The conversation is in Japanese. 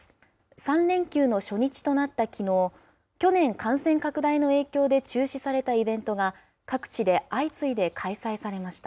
３連休の初日となったきのう、去年感染拡大の影響で中止されたイベントが、各地で相次いで開催